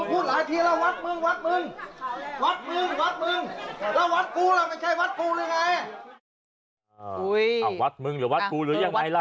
อุ้วววอาวาสมึงหรืออาวาสกูยังไงล่ะ